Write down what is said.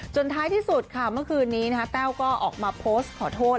ท้ายที่สุดค่ะเมื่อคืนนี้แต้วก็ออกมาโพสต์ขอโทษ